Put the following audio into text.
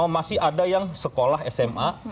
masih ada yang sekolah sma